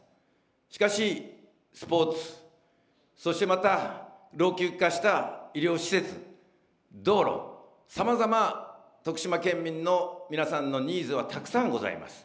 しかし、スポーツ、そして、また、老朽化した医療施設、道路、さまざま徳島県民の皆さんのニーズは、たくさんございます。